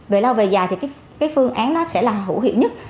về lâu về dài thì cái phương án đó sẽ là hữu hiệu nhất